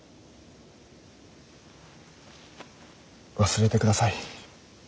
忘れてください。